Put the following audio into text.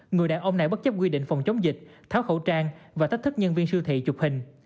người đàn ông này bất chấp quy định phòng chống dịch tháo khẩu trang và tách thức nhân viên siêu thị chụp hình